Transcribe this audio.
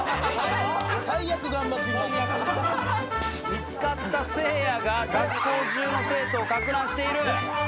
見つかったせいやが学校中の生徒をかく乱している！